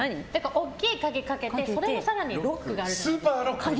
大きい鍵かけて、それの更にロックがあるじゃないですか。